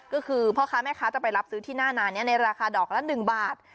ก็คือพ่อค้าแม่ค้าจะไปรับซื้อที่หน้านานนี้ในราคาดอกละ๑บาท